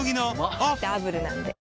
うまダブルなんで